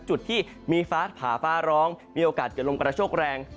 จุดที่มีฟ้าผ่าฟ้าร้องมีโอกาสเกิดลมกระโชคแรง